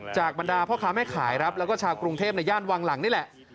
บรรดาพ่อค้าแม่ขายครับแล้วก็ชาวกรุงเทพในย่านวังหลังนี่แหละ